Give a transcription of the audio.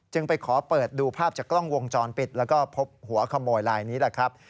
ไปขอเปิดดูภาพจากกล้องวงจรปิดแล้วก็พบหัวขโมยลายนี้แหละครับ